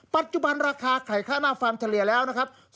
ปัจจุบันราคาไข่ค่าหน้าฟาร์มเฉลี่ยแล้วนะครับ